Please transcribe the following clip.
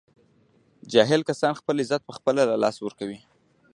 جاهل کسان خپل عزت په خپله له لاسه ور کوي